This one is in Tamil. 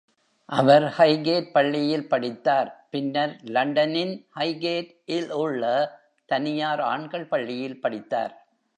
அவர் Highgate பள்ளியில் படித்தார், பின்னர் லண்டனின் Highgate-ல் உள்ள தனியார் ஆண்கள் பள்ளியில் படித்தார்.